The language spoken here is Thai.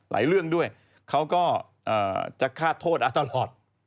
หลายเรื่องด้วยเขาก็จะฆาตโทษอ่าตลอด